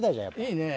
いいね。